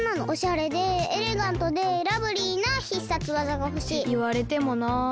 おしゃれでエレガントでラブリーな必殺技がほしい。っていわれてもな。